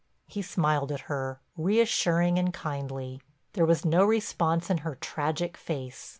He smiled at her, reassuring and kindly. There was no response in her tragic face.